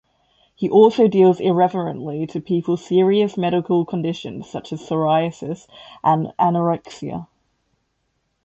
He also deals irreverently to people's serious medical conditions such as psoriasis and anorexia.